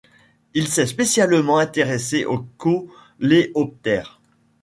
Il s'est spécialement intéresse aux Coléoptères.